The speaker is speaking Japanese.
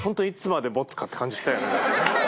って感じしたよね。